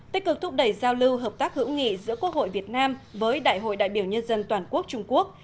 tích cực thúc đẩy giao lưu hợp tác hữu nghị giữa quốc hội việt nam với đại hội đại biểu nhân dân toàn quốc trung quốc